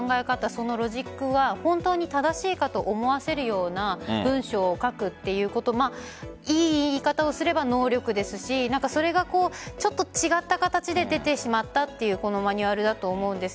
そのロジックは本当に正しいかと思わせるような文章を書くということいい言い方をすれば能力ですしそれがちょっと違った形で出てしまったというマニュアルだと思うんです。